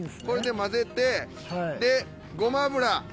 これで混ぜてでごま油。